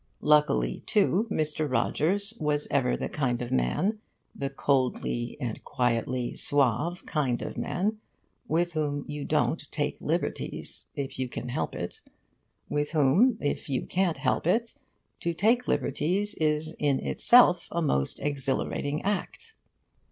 Luckily, too, Mr. Rogers was ever the kind of man, the coldly and quietly suave kind of man, with whom you don't take liberties, if you can help it with whom, if you can't help it, to take liberties is in itself a most exhilarating act.